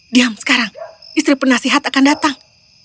diam sekarang istri penasihat akan datang